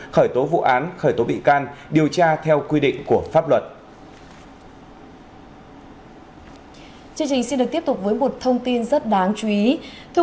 khởi tố vụ án khởi tố bị can điều tra theo quy định của pháp luật